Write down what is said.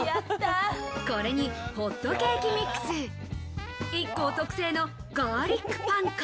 これにホットケーキミックスＩＫＫＯ特製のガーリックパン粉。